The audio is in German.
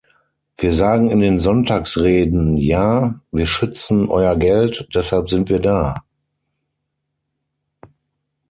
Wir sagen in den Sonntagsreden, ja, wir schützen Euer Geld, deshalb sind wir da.